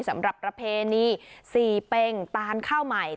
สำหรับประเพณีสี่เป็งตานข้าวใหม่